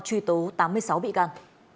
truy tố tám mươi sáu bị can